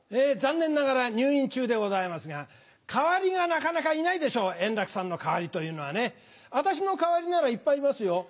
残念ながら、入院中でございますが、代わりがなかなかいないでしょう、円楽さんの代わりというのはね。私の代わりならいっぱいいますよ。